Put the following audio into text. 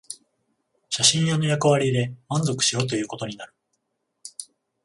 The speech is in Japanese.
写真屋の役割で満足しろということになる